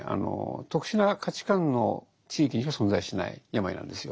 特殊な価値観の地域にしか存在しない病なんですよ。